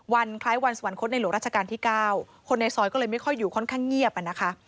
คล้ายวันสวรรคตในหลวงราชการที่๙คนในซอยก็เลยไม่ค่อยอยู่ค่อนข้างเงียบอ่ะนะคะ